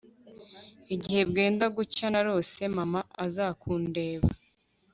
igihe bwenda gucya narose mama azakundeba